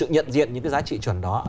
những cái giá trị chuẩn đó